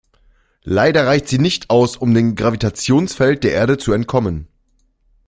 Leider reicht sie nicht aus, um dem Gravitationsfeld der Erde zu entkommen.